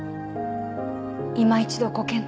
いま一度ご検討を。